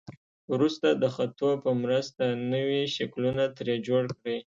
وروسته د خطو په مرسته نوي شکلونه ترې جوړ کړئ.